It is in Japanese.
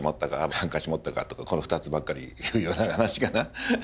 ハンカチ持ったか？」とかこの２つばっかり言うような話かな。